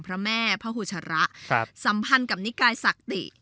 พระแม่พระหูชระสัมพันธ์กับนิกายศักติ